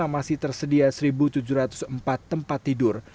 masih tersedia satu tujuh ratus empat tempat tidur